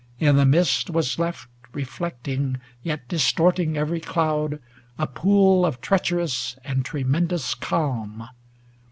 I' the midst was left, Reflecting yet distorting every cloud, A pool of treacherous and tremendous calm.